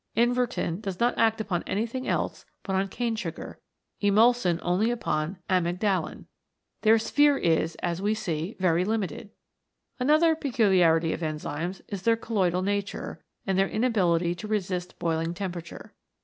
In vertin does not act upon anything else but on cane sugar, emulsin only upon amygdalin. Their sphere is, as we see, very limited. Another pecu liarity of enzymes is their colloidal nature and their inability to resist boiling temperature.